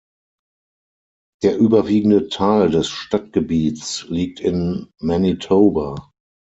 Der überwiegende Teil des Stadtgebiets liegt in Manitoba.